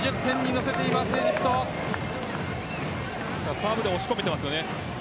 サーブで押し込めていますよね。